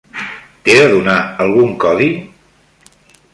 T'he de donar algun codi?